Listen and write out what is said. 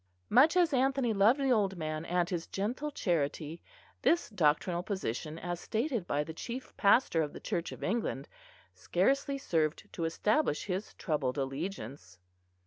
Much as Anthony loved the old man and his gentle charity, this doctrinal position as stated by the chief pastor of the Church of England scarcely served to establish his troubled allegiance.